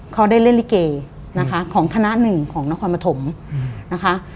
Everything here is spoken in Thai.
เขาได้เล่นลิเกนะคะของคณะหนึ่งของนครปฐมนะคะ